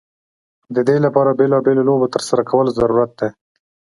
د دې لپاره بیلا بېلو لوبو ترسره کول ضرورت دی.